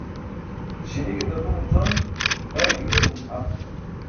Śi̇ni̇ ke datumo con, bay ke garumo tʰam.